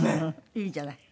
いいじゃない。